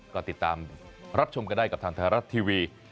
ก็ติดตามรับชมกันได้กับทางไทยรัฐทีวี